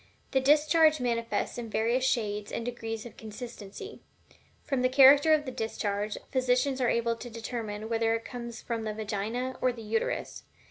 The discharge manifests in various shades and degrees of consistency. From the character of the discharge, physicians are able to determine whether it comes from the Vagina or the Uterus.